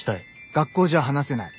「学校じゃ話せない。